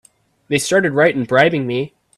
They started right in bribing me!